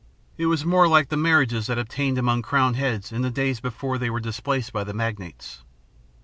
It was more like the marriages that obtained among crowned heads in the days before they were displaced by the Magnates.